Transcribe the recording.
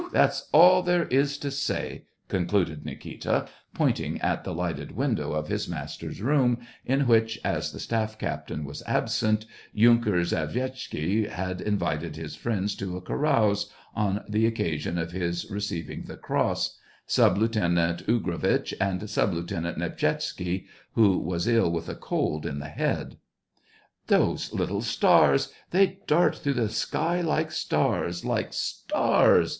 that's all there is to say !" concluded Nikita, pointing at the lighted window of his master's room, in which, as the staff captain was absent, Yunker Zhvadchevsky had invited his friends to a carouse, on the occa sion of his receiving the cross : Sub Lieutenant Ugrovitch and Sub Lieutenant Nepshisetsky, who was ill with a cold in the head. 70 SEVASTOPOL IN MAY, " Those little stars ! They dart through the sky like stars, like stars